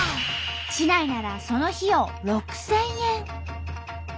市内ならその費用６，０００円。